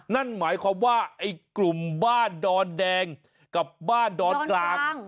นั่นหมายความว่าไอ้กลุ่มบ้านดอนแดงกับบ้านดอนกลาง